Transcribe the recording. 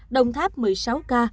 đồng tháp một mươi sáu ca